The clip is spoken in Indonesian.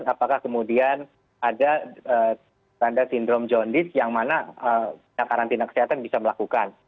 apakah kemudian ada tanda sindrom john disk yang mana karantina kesehatan bisa melakukan